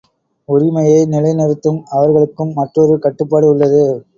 உரிமையை நிலைநிறுத்தும் அவர்களுக்கும் மற்றொரு கட்டுப்பாடு உள்ளது.